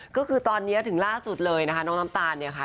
ก็คือตอนนี้ถึงล่าสุดเลยนะคะน้องน้ำตาลเนี่ยค่ะ